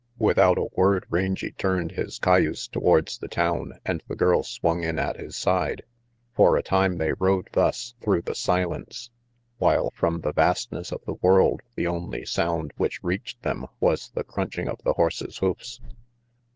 Without a word Rangy turned his cayuse towards the town and the girl swung in at his side. For a time they rode thus through the silence, while from the vastness of the world the only sound which reached them was the crunching of the horses' hoofs.